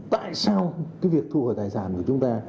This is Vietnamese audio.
tại sao cái việc thu hồi tài sản của chúng ta